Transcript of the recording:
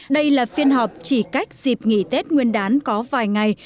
đây là phiên họp chỉ cách dịp nghỉ tết nguyên đán có vài ngày